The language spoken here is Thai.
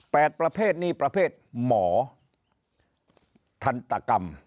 ประเภทนี้ประเภทหมอทันตกรรม